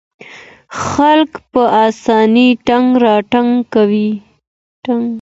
خلک په اسانۍ تګ راتګ کوي.